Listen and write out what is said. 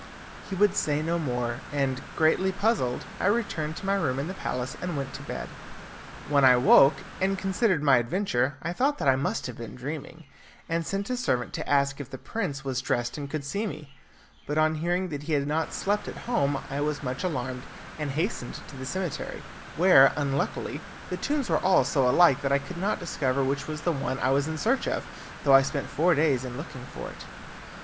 He would say no more, and, greatly puzzled, I returned to my room in the palace and went to bed. When I woke, and considered my adventure, I thought that I must have been dreaming, and sent a servant to ask if the prince was dressed and could see me. But on hearing that he had not slept at home I was much alarmed, and hastened to the cemetery, where, unluckily, the tombs were all so alike that I could not discover which was the one I was in search of, though I spent four days in looking for it.